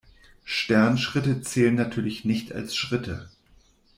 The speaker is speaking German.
Sternschritte zählen natürlich nicht als Schritte.